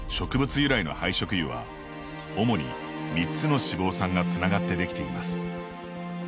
由来の廃食油は、主に３つの脂肪酸がつながってできています。